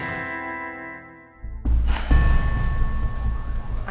andi perginya kemana ya